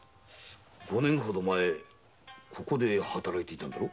五年ほど前ここで働いていたんだろ？